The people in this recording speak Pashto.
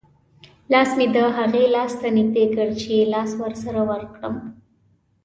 لاس مې د هغې لاس ته نږدې کړ چې لاس ورسره ورکړم.